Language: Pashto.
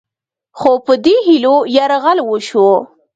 خو په دې هیلو یرغل وشو